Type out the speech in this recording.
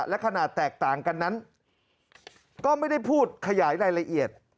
และขนาดแตกต่างกันนั้นก็ไม่ได้พูดขยายรายละเอียด